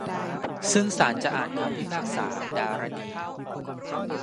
ซึ่งศาลจะอ่านคำพิพากษาดารณี